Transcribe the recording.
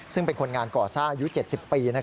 ซึ่งเป็นคนงานก่อสร้างอายุ๗๐ปี